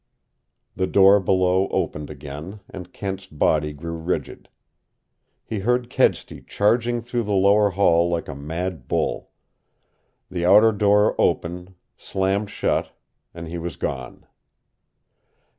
The door below opened again, and Kent's body grew rigid. He heard Kedsty charging through the lower hall like a mad bull. The outer door opened, slammed shut, and he was gone.